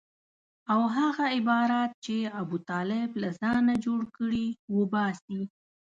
او هغه عبارات چې ابوطالب له ځانه جوړ کړي وباسي.